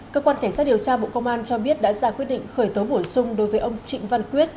cơ quan cảnh sát điều tra bộ công an cho biết đã ra quyết định khởi tố bổ sung đối với ông trịnh văn quyết